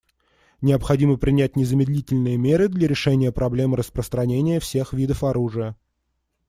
Необходимо принять незамедлительные меры для решения проблемы распространения всех видов оружия.